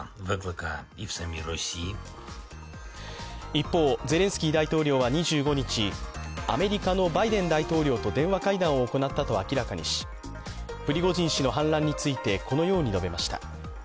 一方、ゼレンスキー大統領は２５日アメリカのバイデン大統領と電話会談を行ったと明らかにしプリゴジン氏の反乱についてこのように述べました。